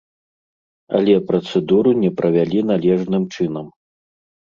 Але працэдуру не правялі належным чынам.